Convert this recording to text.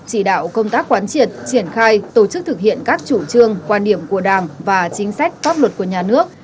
chỉ đạo công tác quán triệt triển khai tổ chức thực hiện các chủ trương quan điểm của đảng và chính sách pháp luật của nhà nước